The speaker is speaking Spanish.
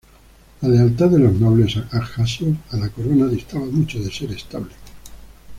La lealtad de los nobles Abjasios a la corona distaba mucho de ser estable.